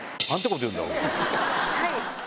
はい。